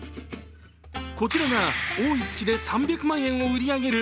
こちらが多い月で３００万円を売り上げる